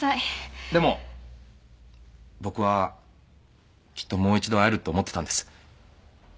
でも僕はきっともう一度会えると思ってたんです。